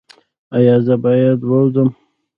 ایا زه باید ووځم؟